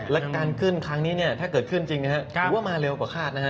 และการขึ้นครั้งนี้เนี่ยถ้าเกิดขึ้นจริงหรือว่ามาเร็วกว่าคาดนะฮะ